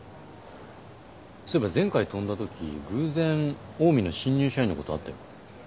そういえば前回飛んだ時偶然オウミの新入社員の子と会ったよ。